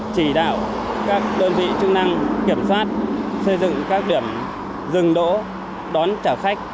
chỉ đạo các đơn vị chức năng kiểm soát xây dựng các điểm dừng đỗ đón trả khách